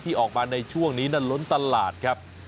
ออกมาในช่วงนี้นั้นล้นตลาดครับ